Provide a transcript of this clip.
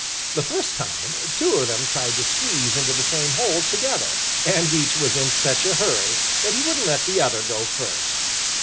The first time, two of them tried to squeeze into the same hole together, and each was in such a hurry that he wouldn't let the other go first.